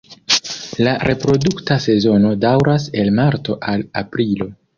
La reprodukta sezono daŭras el marto al aprilo.